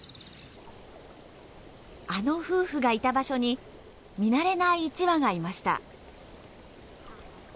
あの夫婦がいた場所に見慣れない一羽がいました。